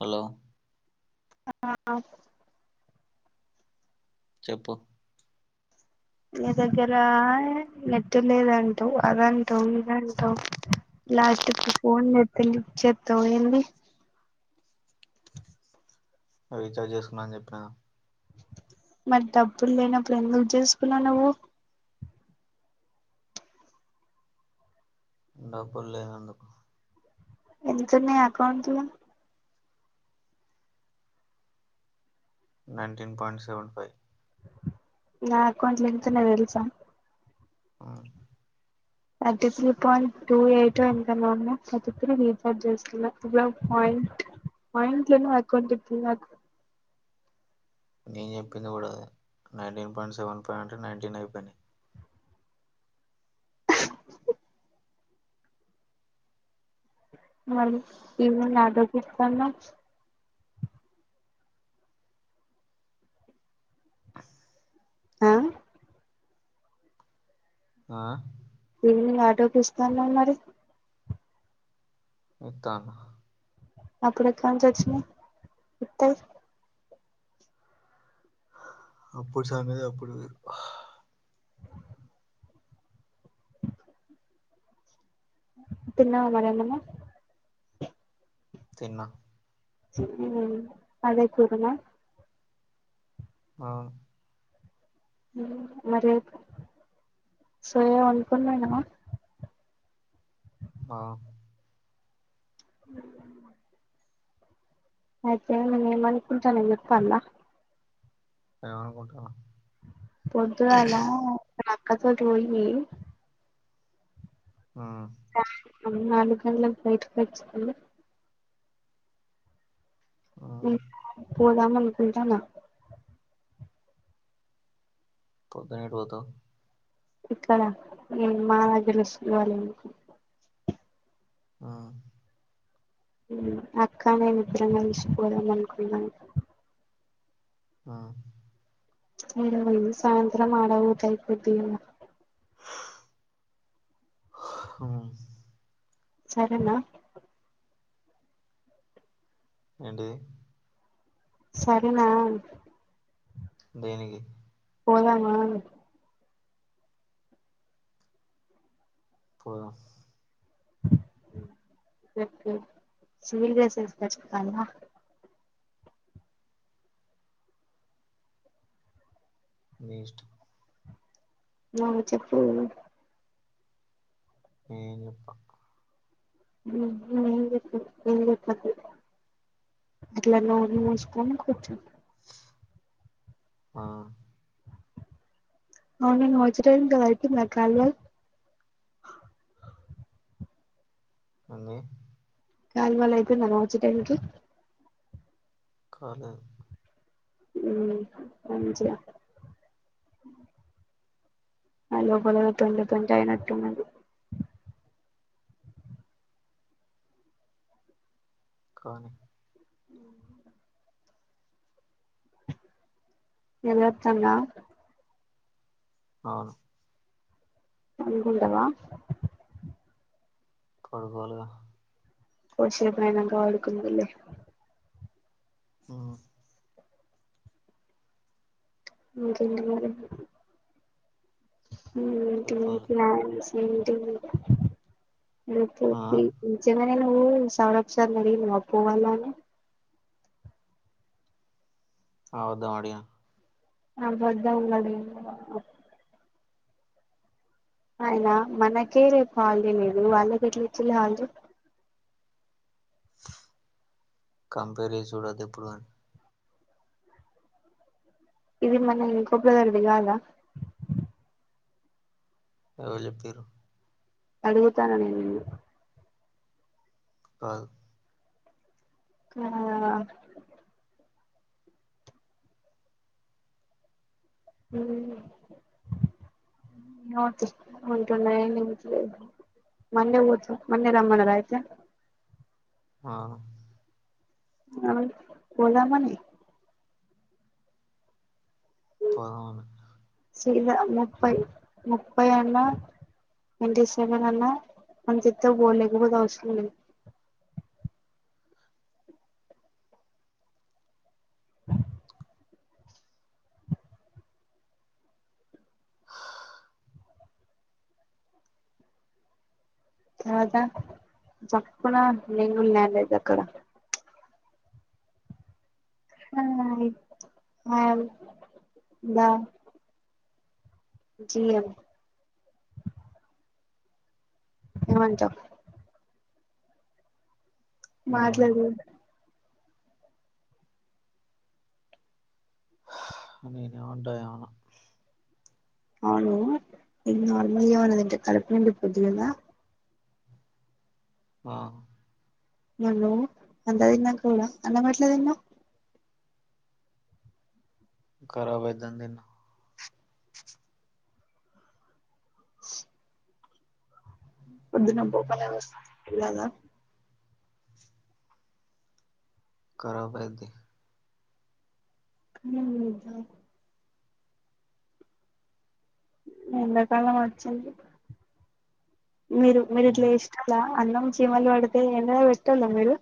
hello ఆహ చెప్పు నీ దగ్గర నెట్ లేదండి అదంటవు ఇదంటవు లాస్ట్ కు ఫోన్ తెలి చెత్త ఏంది అవి విచార్్ చేసుకున్నా అని చెప్పా మరి డబ్ప్పులు లేనప్పుడు ఎందుకు చేసుకున్నావు నువ్వు డబ్బులు లేనందుకు ఎందుకన్న account nineteen point seven five నా అకౌంట్లో ఎంతూనాయ్ తెల్సా ఆహ ఫిఫ్టీన్ పాయింట్ టూ ఎయిట్ ఎంతనో ఉనాయి నక్ గుర్తులేవ్ నేను చెప్పింది కూడా nineteen point seven five hundred nineteen అయిపోయినా మరి ఇవ నాదతన్నా ఆహ ఆ దని ఆటోకిస్తా మరి ఇతానా అప్పుడు ఎక్కడ నుంచి వచ్చినవు ఇత్తయ్ అప్పుడు సన్నది అప్పుడు తిన్నావా మరి ఏమన్నా తిన్నా తిన్నా అదే కూర నా ఆ మరి సోయ వండుకొనివేనవా ఆ అహ అయితే నేను అనుకుంటాన చెప్పల్లా ఏం అనుకుంటనావు పొద్దుగాల తనత్తు కత్తి వట్టి కోయ్ ఆ సాయంత్రం నాలుగు గంటలకు బయటికి వచ్చి ఉండు ఉమ్ ఉ పోదాము అనుకుంటనా పొద్దున ఎటు వోతావ్ ఇక్కడ మా దగ్గర శివాలయం కి ఆ హ్మ్ అక్క నేను ఇద్దరం కలిసి పోదం అనుకున్నాం ఆ సాయంత్రం ఆడ ఊతాయి కొద్ది ఇంగ అం సరేనా ఏంటిది సరేనా దేనికి పోదమా పోదమా చెప్పే సివిల్ డ్రెస్ వేసుకొచ్చుకుంటున్నావా మీ ఇష్టం నా చెప్పు నేనేం చెప్పా నువ్వు ఏం చెప్పకు ఏం చెప్పకు అట్లా నోరు మూసుకొని కూర్చో ఆ అవును నువ్వు వచ్చే టైం కి అది అయ్యితుందా కాలువ అన్నీ కాలమాల అయిపోంద నువ్ వచ్చి టైం కి కాలే ఉ మంచిగా అ లోపల పెంట పెంట అయినట్టుంది కానీ ఉ నిద్రొస్తుందా అవును పండుకుంటావా కొడుగోలుగా కాసేపు అయినంక పడుకుందువులే హ్మ్ ఇంకేంటి మరి ఇంకేంటి చెప్పాలి ప్లాన్స్ [unintelligible] ఇగ ఆ [unintelligible] నువ్వు సౌరబ్ సార్ నీ అడిగినవ పోవాలి అని [unintelligible] అడిగా [unintelligible] అడిగినావా అయినా మనకే రేపు హాలిడే లేదు వాళ్ళకి ఎట్లాచిల్లు హాలిడే కంపేర్ చేసి చూడొద్దు ఎప్పుడు ఇది మన కొప్పలదర్ది కాదా ఎవరు చెప్పిళ్లు అడుగుతాన నేను నిన్ను కాదు ఆ ఉమ్ ఉంటు [unintelligible] మొన్న ఊత మన్నె రమ్మన్నర అయితే ఆ అ పోదామని పోదామనే ముప్పై ముప్పై అన్న ట్వంటి సెవెన్ అన్నా అంత ఇత్తె పో లేదంటే అవసరమే లేదు అదా చెప్పుడా నేను నన్ లేదు అక్కడ ఆ ఆ ఆలా జీ ఏ ఏమంట ఏమన్నా మాట్లాడు నేను ఏమంట ఏం అనా అవును [unintelligible] కడుపు నిండిపొద్ది కదా ఆ నువ్వు అంత తిన్నా కూడా అన్నం ఎట్ల తిన్నావ్ ఖరాబ్ అయితుంది అని తిన్న పొద్దున పో [unintelligible] తినలేదా ఖరబాయిద్ధి ఉమ్ కానీ ఎండాకాలం వచ్చింది మీరు మీరు ఇట్లా ఇష్టలా అన్నం చీమలు వడితే ఎండలో పెట్టల మీరు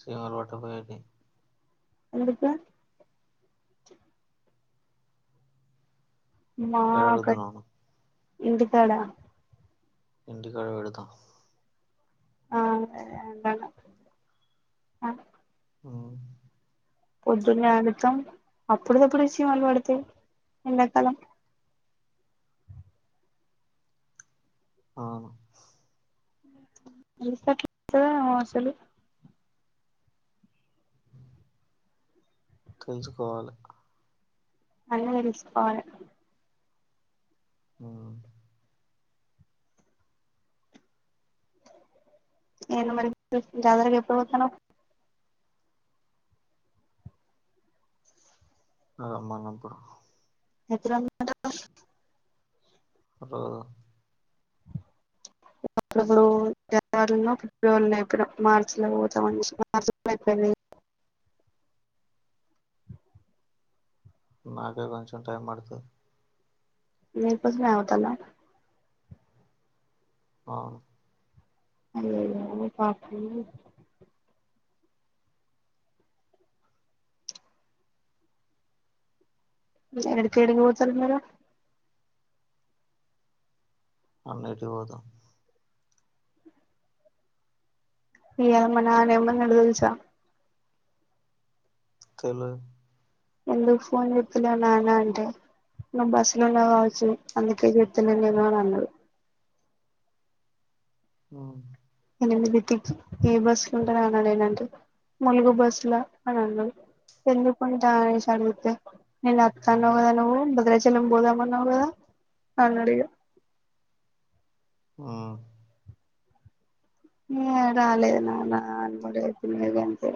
సీమలు పట్టుకు పోయేది ఎందుకు మా ఎక్కడ క అడుగుతున్నావు నువ్వు ఇంటికాడా ఇంటి కాడవెడుతా ఆ సరే అంట అ ఆ పొద్దున్నే వండుతాం అప్పుడుకప్పుడు చీమలు పడుతాయి ఎండాకాలం ఆ రెస్పెక్ట్ ఇస్తాలే నువ్వు అసలు తెంచుకోవాలి అన్న నిల్సుపోవాల అ నను మరి చ జాదరగా ఎప్పుడు పోతుాను అమ్మా నాప్పుడు హద ర జనవరిలో ఫిబ్రవరిలో ఎ మార్చి లో పోతామ మార్చి లో అయిపోయింది నాకే కొంచం టైమ్ పడుతు మీపున్నా ఉత నా ఆ అయ్యేయో ఎడికిడికి పోతల మర అన్నటి పోదు న అమ్మనాన ఏమన్నా అడుదులుసా చలో ఎందుకు ఫోన్ చెప్తులే నాన్న అంటే నువ్వు బస్సు లోన్నా కావచ్చు అందుకే చెప్తున్నా నేను అని అన్నాడు ఆ బితికి ఏ బస్సులు ఉంటా అనడలేనంటే ములుగు బస్సులా అని అన్నాడు ఎందుకుంటే అనేసి అడిగితే నేను అత్తా అన్నావు కదా నువ్వు భద్రాచల్యం పోదామన్నావు కదా అన్నాడ ఆ రాలేదు నాన్న అన్నడు అయి తినద అని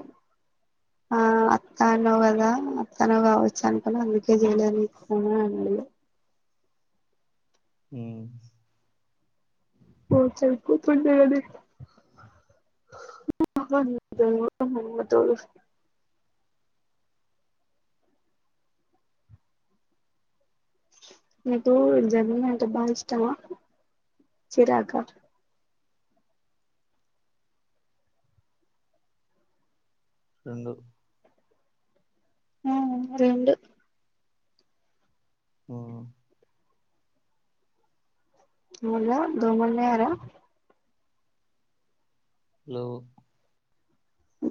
ఆ అత్త అన్నో కదా అత్తనో కావచ్చు అనుకుని అందుకే చేయలేదు ఇను అన్నాడు హ పో చెపోతుండడి మ త నకు జగిన అంట బా ఇష్టమా చరాక రెండు ఆ రెండు ఆ మల్ళ దో మల్లే ఎార హలో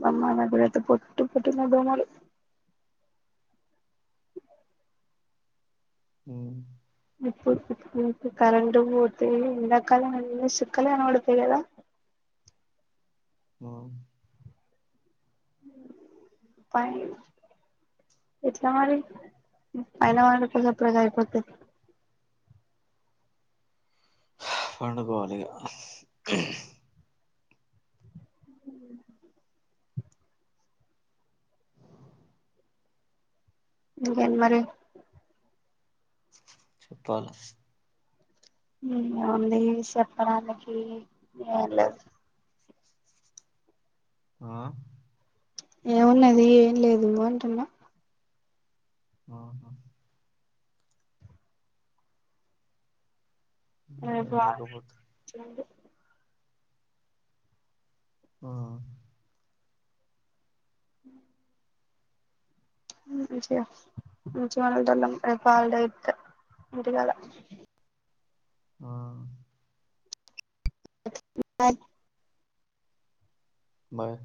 అమ్మా నా కూడాతే పొట్టు పట్ మ బ మలు హ ఇప్పు కరంట పోతే ఎంతకాల అ చక్కలనడు తెలేదా ఆ ప ఎట్లా మరి పలా మప్పు అయిపోతు పడు పోవాలగా ఉ ఇకే మరి చెప్పాల ఓంది చెప్పడానికి ఏలేదు ఆ ఏమున్నది ఏం లేదు అంటున్నా ఆహా అ ఏం బా లేకపోతే ఆ అ మంచిగా మంచిగా మనలం రేపుల్దైతే ఇంటికాల ఆ బాయ్